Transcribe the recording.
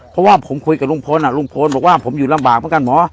เพราะว่าผมคุยกับลุงพลลุงพลบอกว่าผมอยู่ลำบากเหมือนกันหมอ